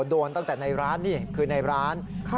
โดนตั้งแต่ในร้านนี่คือในร้าน